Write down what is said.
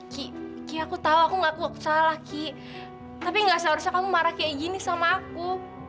ki ki aku tau aku gak salah ki tapi gak seharusnya kamu marah kayak gini sama aku